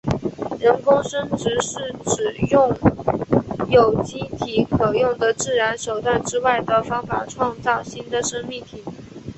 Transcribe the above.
人工生殖是指用有机体可用的自然手段之外的方法创造新的生命体。